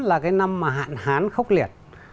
là năm hạn hán khốc liệt